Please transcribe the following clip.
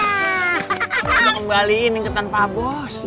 udah kembali ingatan pak bos